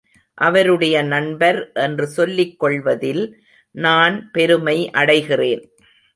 அவருடைய நண்பர் என்று சொல்லிக் கொள்வதில் நான் பெருமை அடைகிறேன்.